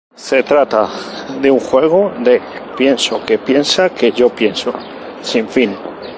Se trata de un juego de "pienso que piensa que yo pienso" sin fin.